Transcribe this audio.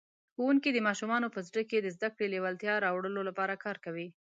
ښوونکی د ماشومانو په زړه کې د زده کړې لېوالتیا راوړلو لپاره کار کوي.